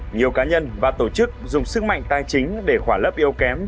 nhiều cá nhân và tổ chức dùng sức mạnh tài chính để khỏa lớp yêu kém